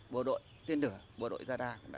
bộ đội tiên nửa bộ đội radar